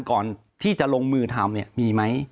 ก่อนที่จะลงมือทำมีไหม